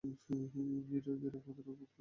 বীরু রায়ের একমাত্র পুত্র নৌকাতে ছিল, সে কই?